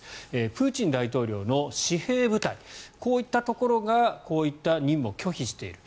プーチン大統領の私兵部隊こういったところがこういった任務を拒否している。